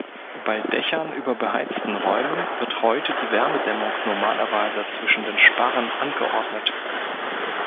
Bei Dächern über beheizten Räumen wird heute die Wärmedämmung normalerweise zwischen den Sparren angeordnet.